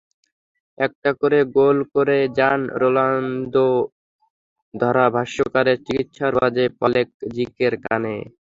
একটা করে গোল করে যান রোনালদো, ধারাভাষ্যকারের চিৎকার বাজে পলেকজিকের কানে।